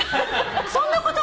そんなことが！？